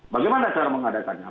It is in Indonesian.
bagaimana cara mengadakannya